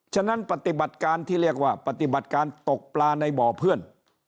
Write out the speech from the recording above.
ฉะนั้นปฏิบัติการที่เรียกว่าปฏิบัติการตกปลาในบ่อเพื่อน